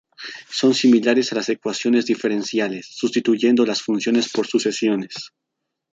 Son similares a las ecuaciones diferenciales, sustituyendo las funciones por sucesiones.